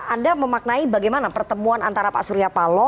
anda memaknai bagaimana pertemuan antara pak surya paloh